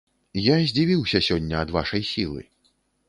Я здзівіўся сёння ад вашай сілы.